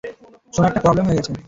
শোনো, একটা প্রবলেম হয়ে গেছে।